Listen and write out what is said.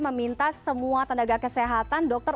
meminta semua tenaga kesehatan dokter